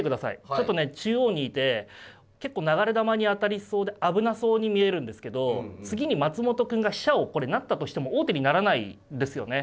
ちょっとね中央にいて結構流れ弾に当たりそうで危なそうに見えるんですけど次に松本くんが飛車をこれ成ったとしても王手にならないですよね。